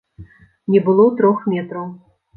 Не было трох метраў.